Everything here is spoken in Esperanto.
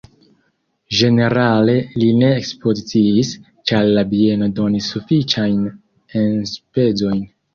Ĝenerale li ne ekspoziciis, ĉar la bieno donis sufiĉajn enspezojn.